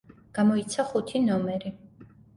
გამოიცა ხუთი ნომერი.